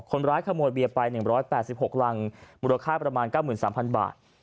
คนร้ายขโมยเบียร์ไปหนึ่งร้อยแปดสิบหกรังมูลค่าประมาณเก้าหมื่นสามพันบาท